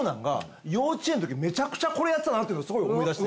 めちゃくちゃこれやってたなっていうのすごい思い出して。